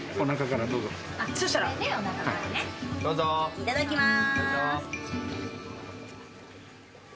いただきます。